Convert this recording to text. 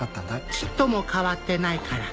ちっとも変わってないから。